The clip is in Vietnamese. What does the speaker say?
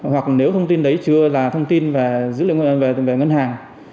hoặc nếu thông tin đấy chưa là thông tin về dữ liệu về ngân hàng